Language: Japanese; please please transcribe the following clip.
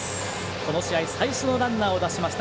この試合最初のランナーを出しました。